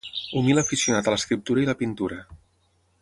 Humil aficionat a l'escriptura i la pintura.